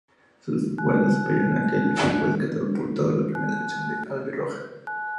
Su buen desempeño en aquel equipo lo catapultó a la Primera División albirroja.